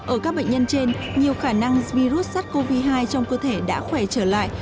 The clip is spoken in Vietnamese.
ở các bệnh nhân trên nhiều khả năng virus sars cov hai trong cơ thể đã khỏe trở lại